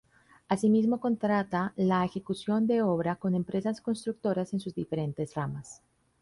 Asimismo contrata la ejecución de obra con empresas constructoras en sus diferentes ramas.